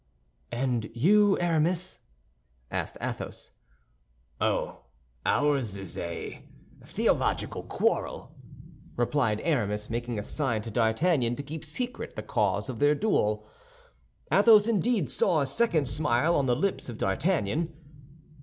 "And you, Aramis?" asked Athos. "Oh, ours is a theological quarrel," replied Aramis, making a sign to D'Artagnan to keep secret the cause of their duel. Athos indeed saw a second smile on the lips of D'Artagnan.